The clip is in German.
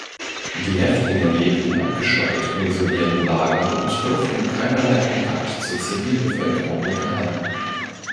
Die Häftlinge lebten abgeschottet in isolierten Lagern und durften keinerlei Kontakt zur Zivilbevölkerung unterhalten.